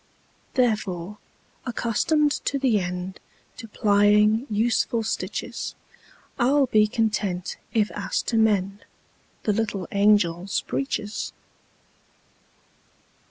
Therefore, accustomed to the endTo plying useful stitches,I 'll be content if asked to mendThe little angels' breeches.